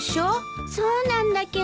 そうなんだけど。